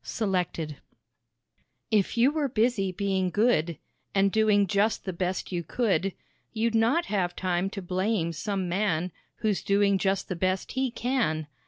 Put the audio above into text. Selected. "If you were busy being good, And doing just the best you could, You'd not have time to blame some man Who's doing just the best he can.